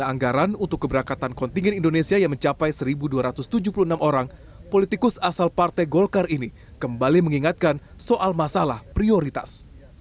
dari anggaran untuk keberangkatan kontingen indonesia yang mencapai satu dua ratus tujuh puluh enam orang politikus asal partai golkar ini kembali mengingatkan soal masalah prioritas